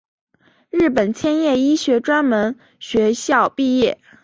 日本千叶医学专门学校毕业。